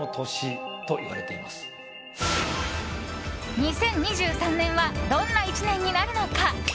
２０２３年はどんな１年になるのか？